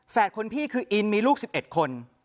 คนพี่คืออินมีลูก๑๑คน